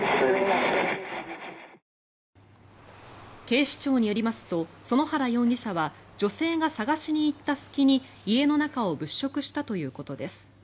警視庁によりますと園原容疑者は女性が探しに行った隙に家の中を物色したということです。